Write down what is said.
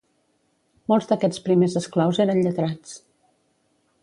Molts d'aquests primers esclaus eren lletrats.